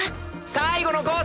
最後のコース！